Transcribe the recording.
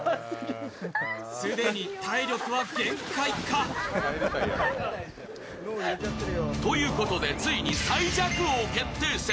既に体力は限界か？ということで、ついに最弱王決定戦。